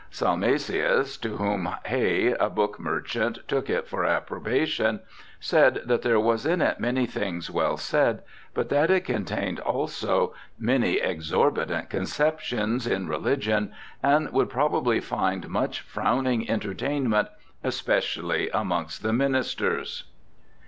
Salmasius, to whom Haye, a book merchant, took it for approbation, said ' that there was in it many things well said, but that it contained also many exorbitant conceptions in religion and would probably find much frowning entertainment, especially amongst the ministers'.